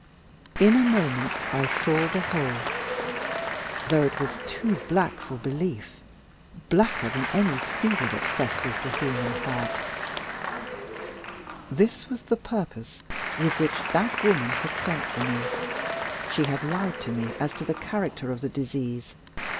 In a moment I saw the whole; though it was too black for belief, blacker than any fever that festers the human heart. This was the purpose with which that woman had sent for me. She had lied to me as to the character of the disease.